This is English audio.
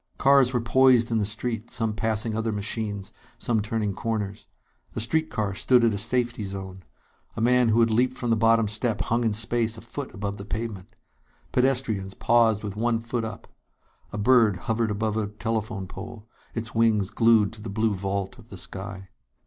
Cars were poised in the street, some passing other machines, some turning corners. A street car stood at a safety zone; a man who had leaped from the bottom step hung in space a foot above the pavement. Pedestrians paused with one foot up. A bird hovered above a telephone pole, its wings glued to the blue vault of the sky.